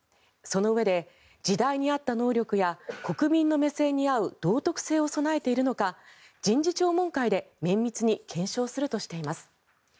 そのうえで、時代に合った能力や国民の目線に合う道徳性を備えているのか人事聴聞会で綿密に検証するとしています。